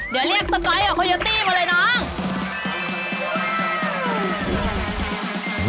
เดี๋ยวเรียกสก๊อยกับโคโยตี้มาเลยน้อง